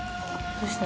どうした？